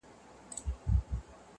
پر دې دنیا سوځم پر هغه دنیا هم سوځمه~